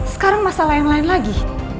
sekarang masalah yang lain lagi